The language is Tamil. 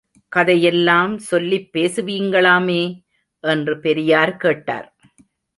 கதையெல்லாம் சொல்லிப் பேசுவீங்களாமே? என்று பெரியார் கேட்டார்.